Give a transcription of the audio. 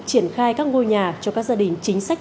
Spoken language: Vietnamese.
triển khai các ngôi nhà cho các gia đình chính sách